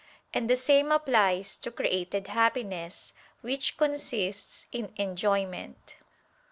And the same applies to created happiness which consists in enjoyment.